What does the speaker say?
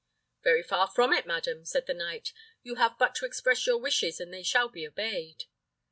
"Very far from it, madam," said the knight; "you have but to express your wishes, and they shall be obeyed."